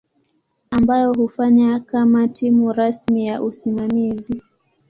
ambayo hufanya kama timu rasmi ya usimamizi.